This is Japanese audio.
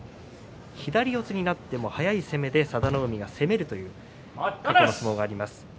左四つになっても速い攻めで佐田の海が攻めるというそういう相撲があります。